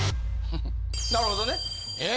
なるほどね。え？